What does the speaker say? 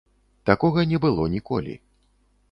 Такога не было ніколі.